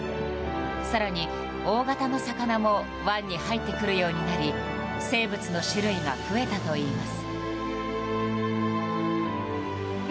更に大型の魚も湾に入ってくるようになり生物の種類が増えたといいます。